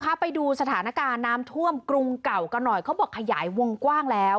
ไปดูสถานการณ์น้ำท่วมกรุงเก่ากันหน่อยเขาบอกขยายวงกว้างแล้ว